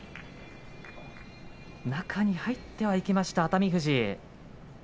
中に入ってはいきました熱海富士。